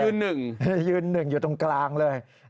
ยืนหนึ่งยืนหนึ่งอยู่ตรงกลางเลย